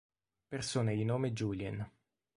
Persone di nome Julien